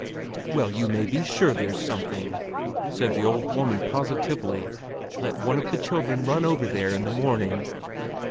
"Well, you may be sure there's something," said the old woman positively. "Let one of the children run over there in the morning."